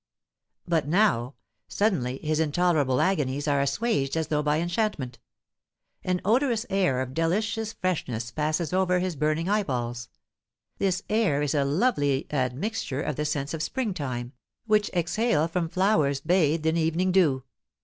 But now, suddenly, his intolerable agonies are assuaged as though by enchantment. An odorous air of delicious freshness passes over his burning eyeballs. This air is a lovely admixture of the scents of springtime, which exhale from flowers bathed in evening dew.